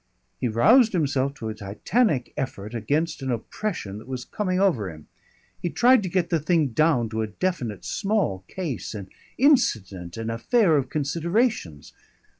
He roused himself to a Titanic effort against an oppression that was coming over him. He tried to get the thing down to a definite small case, an incident, an affair of considerations.